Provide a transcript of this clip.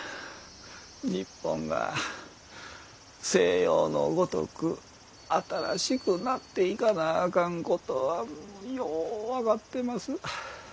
日本が西洋のごとく新しくなっていかなあかんことはよう分かってます。